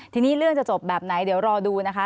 ทีนี้เรื่องจะจบแบบไหนเดี๋ยวรอดูนะคะ